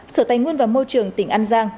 sở tài nguyên và môi trường tỉnh an giang